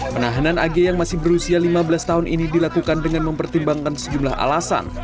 penahanan ag yang masih berusia lima belas tahun ini dilakukan dengan mempertimbangkan sejumlah alasan